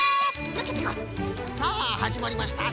さあはじまりました